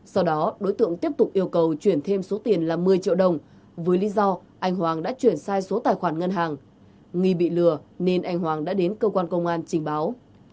sau đó đối tượng tiếp tục yêu cầu chuyển thêm số tiền là một mươi triệu đồng với lý do anh hoàng đã chuyển sai số tài khoản ngân hàng nghi bị lừa nên anh hoàng đã đến cơ quan công an trình báo